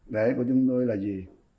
để của những người là gì